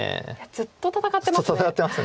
ずっと戦ってます。